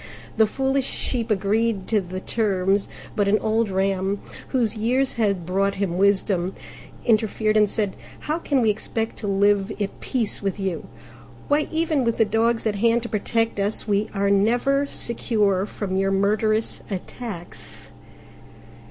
The foolish Sheep agreed to the terms; but an old Ram, whose years had brought him wisdom, interfered and said, "How can we expect to live at peace with you? Why, even with the dogs at hand to protect us, we are never secure from your murderous attacks!"